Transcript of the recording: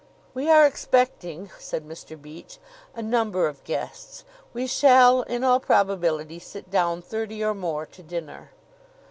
"We are expecting," said Mr. Beach, "a number of guests. We shall in all probability sit down thirty or more to dinner."